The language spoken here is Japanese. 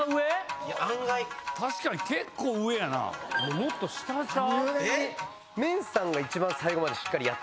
もっと下ちゃう？